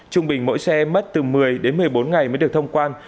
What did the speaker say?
trung bình mỗi xe mất từ một mươi đến một mươi bốn ngày mới được thông quan